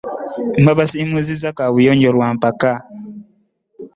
Babasimisizza kaabuyonjo lwa mpaka.